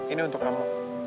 ini untuk kamu